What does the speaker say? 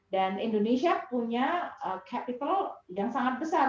dan indonesia punya capital yang sangat besar